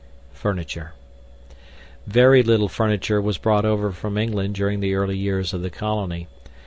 FURNITURE Very little furniture was brought over from England during the early years of the colony.